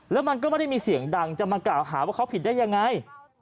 แล้วมันก็ไม่ได้มีเสียงดังจะมากล่าวหาว่าเขาผิดได้ยังไง